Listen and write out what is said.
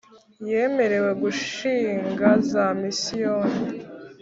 yemerewe gushinga za misiyoni